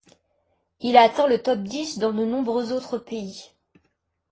Il a atteint le top dix dans de nombreux autres pays.